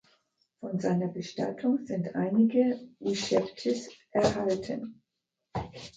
Von seiner Bestattung sind einige Uschebtis erhalten.